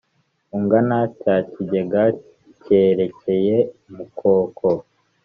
Ungana cya kigega kerekeye mu Koko